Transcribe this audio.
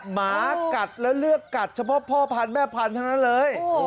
หมากัดแล้วเลือกกัดเฉพาะพ่อพันธุ์แม่พันธุ์ทั้งนั้นเลย